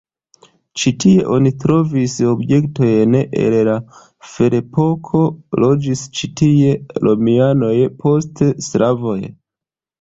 Ĉi tie oni trovis objektojn el la ferepoko, loĝis ĉi tie romianoj, poste slavoj.